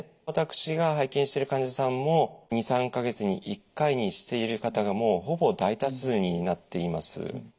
私が拝見してる患者さんも２３か月に１回にしている方がもうほぼ大多数になっています。